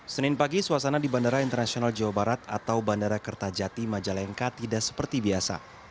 senin pagi suasana di bandara internasional jawa barat atau bandara kertajati majalengka tidak seperti biasa